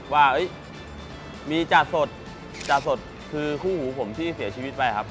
ว่ามีจาสดจาสดคือคู่หูผมที่เสียชีวิตไปครับ